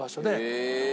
へえ。